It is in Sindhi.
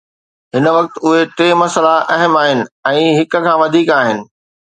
هن وقت، اهي ٽي مسئلا اهم آهن ۽ هڪ کان وڌيڪ آهن